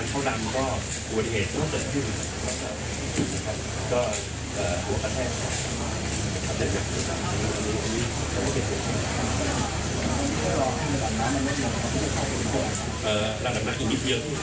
หรือมันต้องมาพูดต่อไป